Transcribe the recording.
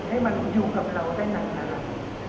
ให้มันอยู่กับเราได้หนังน้ำ